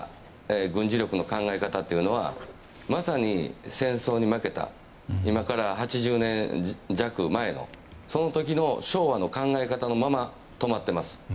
軍事力の考え方というのはまさに戦争に負けた今から８０年弱前のその時の昭和の考え方のまま止まってます。